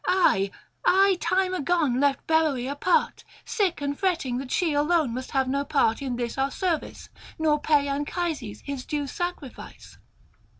I, I time agone left Beroë apart, sick and fretting that she alone must have no part in this our service, nor pay Anchises his due sacrifice.'